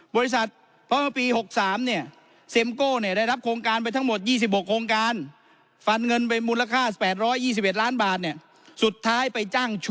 บริษัทเพราะปี๑๙๖๓นี่